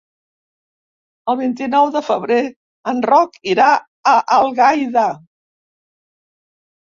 El vint-i-nou de febrer en Roc irà a Algaida.